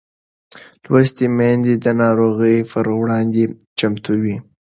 لوستې میندې د ناروغۍ پر وړاندې چمتو وي.